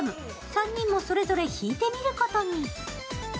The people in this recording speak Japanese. ３人もそれぞれ引いてみることに。